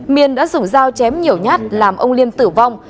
miên đã dùng dao chém nhiều nhát làm ông liêm tử vong